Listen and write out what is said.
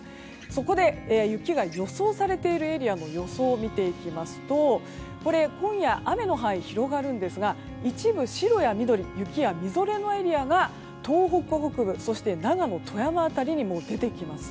そこで雪が予想されているエリアの予想を見ていきますと今夜、雨の範囲が広がりますが一部、白や緑雪やみぞれのエリアが東北北部そして長野、富山辺りに出てきます。